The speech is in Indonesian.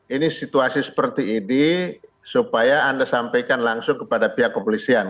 ini situasi seperti ini supaya anda sampaikan langsung kepada pihak kepolisian